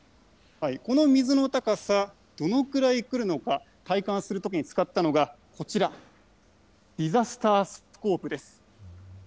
この水の高さ、どのくらい来るのか、体感するときに使ったのがこちら、ディザスタースコープです。